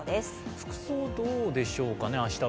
服装、どうでしょうかね、明日は。